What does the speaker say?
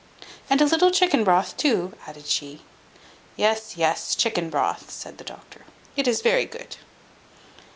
"And a little chicken broth too?" added she. "Yes, yes, chicken broth," said the doctor, "is very good."